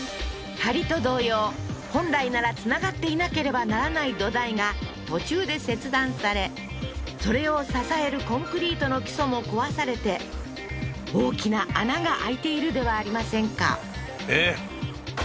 梁と同様本来ならつながっていなければならない土台が途中で切断されそれを支えるコンクリートの基礎も壊されて大きな穴が開いているではありませんかえっ？